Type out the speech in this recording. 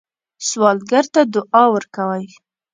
سوالګر ته دعا ورکوئ